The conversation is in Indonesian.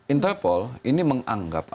interpol ini menganggap